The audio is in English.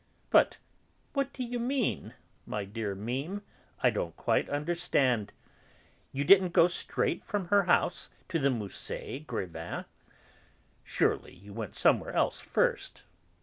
"But what do you mean, my dear Mémé, I don't quite understand.... You didn't go straight from her house to the Musée Grévin? Surely you went somewhere else first?